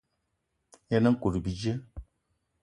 Yen nkout bíjé.